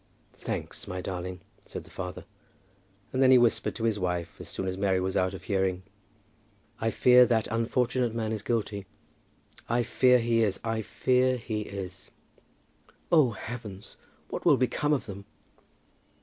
"Thanks, my darling," said the father. And then he whispered to his wife, as soon as Mary was out of hearing, "I fear that unfortunate man is guilty. I fear he is! I fear he is!" "Oh, heavens! what will become of them?"